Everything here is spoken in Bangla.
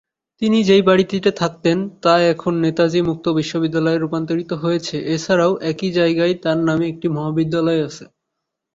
তিনি যেই বাড়িটিতে থাকতেন তা এখন নেতাজী মুক্ত বিশ্ববিদ্যালয়ে রূপান্তরিত হয়েছে, এছাড়াও এই একই জায়গায় তার নামে একটি মহাবিদ্যালয় আছে।